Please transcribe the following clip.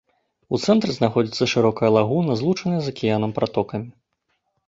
У цэнтры знаходзіцца шырокая лагуна, злучаная з акіянам пратокамі.